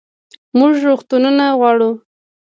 موږ روغتونونه غواړو